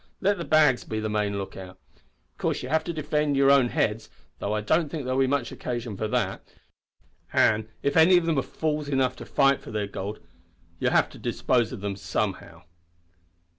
Let the bags be the main look out of course you'll have to defend your own heads, though I don't think there'll be much occasion for that an' you know, if any of them are fools enough to fight for their gold, you'll have to dispose of them somehow."